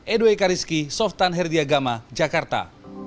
edwe kariski softan herdiagama jakarta